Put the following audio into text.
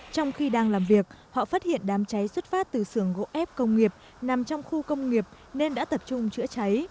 trong khi đang làm việc họ phát hiện đám cháy xuất phát từ sưởng gỗ ép công nghiệp nằm trong khu công nghiệp nên đã tập trung chữa cháy